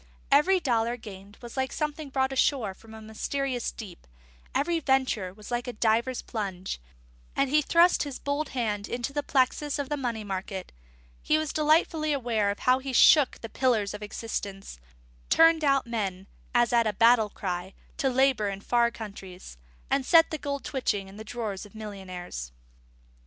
Every dollar gained was like something brought ashore from a mysterious deep; every venture made was like a diver's plunge; and as he thrust his bold hand into the plexus of the money market, he was delightedly aware of how he shook the pillars of existence, turned out men (as at a battle cry) to labour in far countries, and set the gold twitching in the drawers of millionnaires.